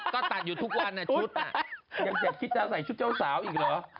ยังแจกที่จะใส่ชุดเจ้าสาวอีกเหรอ